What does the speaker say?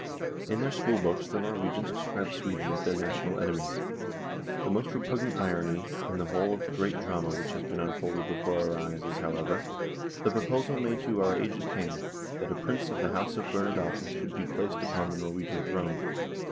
In their school books the Norwegians described Sweden as their national enemy. ... The most re pugnant irony in the whole of the great drama THE DISSOLUTION OF THE UNION 129 which has been unfolded before our eyes is, how ever, the proposal made to our aged King, that a prince of the House of Bernadotte should be placed upon the Norwegian throne.